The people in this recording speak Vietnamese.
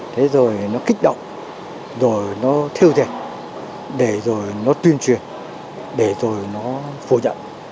thế rồi nó kích động rồi nó thêu thề để rồi nó tuyên truyền để rồi nó phủ nhận